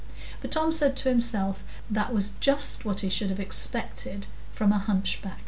But Tom said to himself, that was just what he should have expected from a hunchb